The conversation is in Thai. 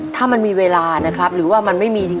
ถ้ามันมีเวลานะครับหรือว่ามันไม่มีจริง